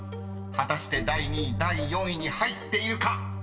［果たして第２位第４位に入っているか］